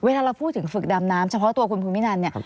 เวลาเราพูดถึงฝึกดำน้ำเฉพาะตัวคุณภูมินันเนี่ย